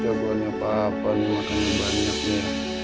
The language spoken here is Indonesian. coba nih apa apa nih makan banyaknya